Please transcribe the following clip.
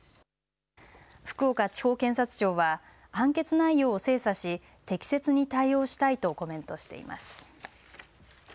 福岡地方検察庁は判決内容を精査し適切に対応したいとコメントしています。